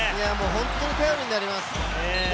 本当に頼りになります。